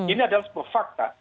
ini adalah sebuah fakta